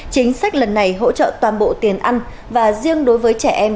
chính sách lần này hỗ trợ toàn bộ tiền ăn và riêng đối với trẻ em